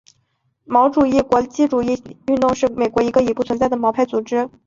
毛主义国际主义运动是美国的一个已不存在的毛派组织。